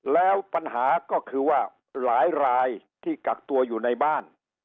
แล้วปัญหาก็คือว่าหลายรายที่กักตัวอยู่ในบ้าน